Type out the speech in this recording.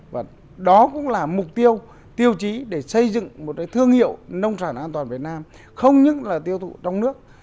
và đó cũng là mục tiêu tiêu chí để xây dựng một cái thương hiệu nông sản an toàn việt nam không những là tiêu thụ trong nước